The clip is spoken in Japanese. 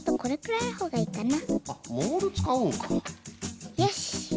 これくらいでいいかな。